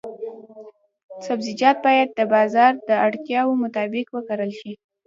سبزیجات باید د بازار د اړتیاوو مطابق وکرل شي.